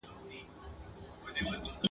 ما پلونه د اغیار دي پر کوڅه د یار لیدلي !.